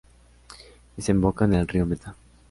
Desemboca en el río Meta.